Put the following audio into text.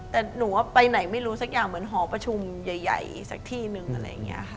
แต่หนูว่าไปไหนไม่รู้สักอย่างเหมือนหอประชุมใหญ่สักที่นึงอะไรอย่างนี้ค่ะ